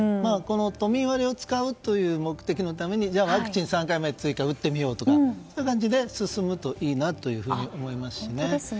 都民割を使うという目的のために追加のワクチン３回目を打ってみようとかそういう感じで進むといいなと思いますしね。